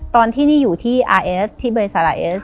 ตอนที่นี่อยู่ที่อาร์เอสที่เบยซาลายเอส